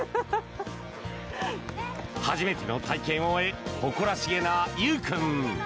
初めての体験を終え誇らしげなゆう君。